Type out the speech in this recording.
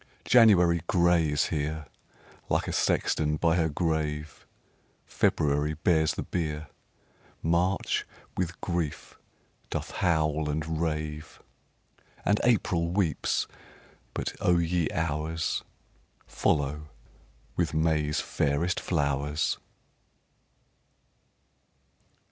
4. January gray is here, Like a sexton by her grave; _20 February bears the bier, March with grief doth howl and rave, And April weeps but, O ye Hours! Follow with May's fairest flowers.